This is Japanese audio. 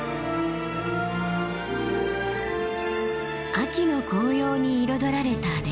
秋の紅葉に彩られた霊峰。